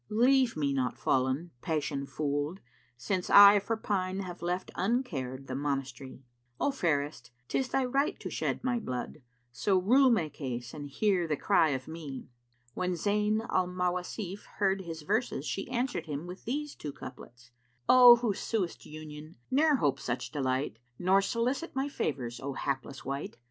Leave me not fallen, passion fooled, since I * For pine have left uncared the Monast'ry: O Fairest, 'tis thy right to shed my blood, * So rue my case and hear the cry of me!" When Zayn al Mawasif heard his verses, she answered him with these two couplets, "O who suest Union, ne'er hope such delight * Nor solicit my favours, O hapless wight!